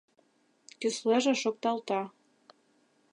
Кӱслеже шокталта